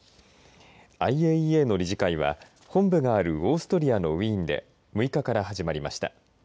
ＩＡＥＡの理事会は本部があるオーストリアのウィーンで６日から始まりました。